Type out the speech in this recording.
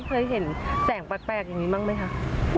เคยเห็นแสงแปลกอย่างนี้บ้างไหมคะ